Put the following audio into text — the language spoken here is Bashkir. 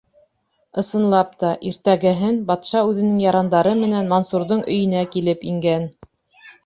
Ысынлап та, иртәгәһен батша үҙенең ярандары менән Мансурҙың өйөнә килеп ингән.